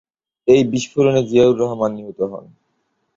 এই বিস্ফোরণে জিয়াউর রহমান নিহত হন।